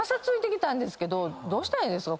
どうしたらええですか？